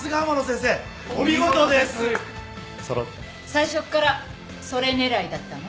最初からそれ狙いだったの？